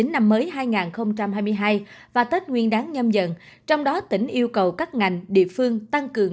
năm mới hai nghìn hai mươi hai và tết nguyên đáng nhâm dần trong đó tỉnh yêu cầu các ngành địa phương tăng cường